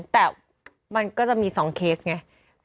แต่มันก็จะมีว่ามีสองเคสไง